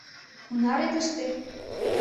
— Кунаре тыште?